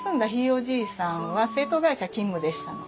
おじいさんは製陶会社勤務でしたの。